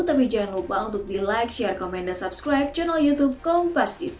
tapi jangan lupa untuk di like share komen dan subscribe channel youtube kompastv